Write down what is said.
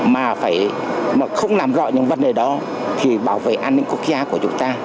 mà phải không làm rõ những vấn đề đó thì bảo vệ an ninh quốc gia của chúng ta